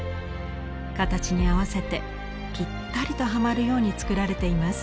形に合わせてぴったりとはまるように作られています。